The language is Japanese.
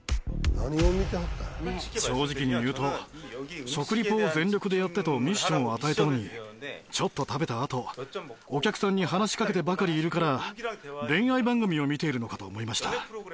正直に言うと食リポを全力でやってとミッションを与えたのにちょっと食べたあとお客さんに話しかけてばかりいるから恋愛番組を見ているのかと思いました。